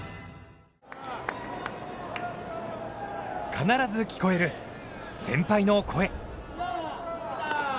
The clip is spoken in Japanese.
必ず聞こえる先輩の声。